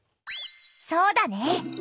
そうだね。